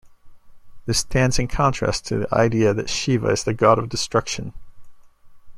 This stands in contrast to the idea that Shiva is the God of destruction.